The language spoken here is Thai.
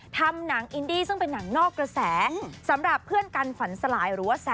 ทำหนังอินดี้ซึ่งเป็นหนังนอกกระแสสำหรับเพื่อนกันฝันสลายหรือว่า